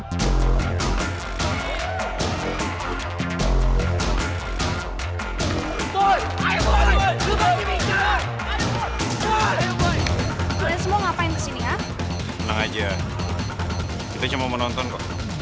kamu pasti menang